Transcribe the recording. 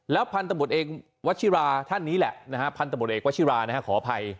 พันธบทเอกวัชิราท่านนี้แหละพันธบทเอกวชิราขออภัย